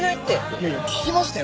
いやいや聞きましたよ。